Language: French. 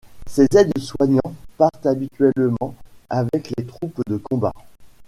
Ces aides-soignants partent habituellement avec les troupes de combat.